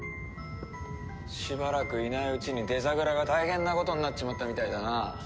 しばらくいないうちにデザグラが大変なことになっちまったみたいだな。